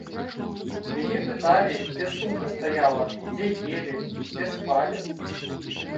Яе пыталі, дзе сумка стаяла, дзе елі, дзе спалі.